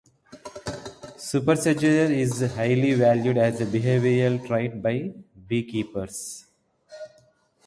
Supersedure is highly valued as a behavioral trait by beekeepers.